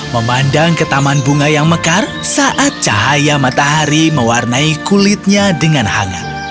memandang ke taman bunga yang mekar saat cahaya matahari mewarnai kulitnya dengan hangat